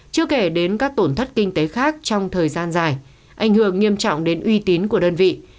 chưa kể đến các tổn thất kinh tế khác trong thời gian dài ảnh hưởng nghiêm trọng đến uy tín của đơn vị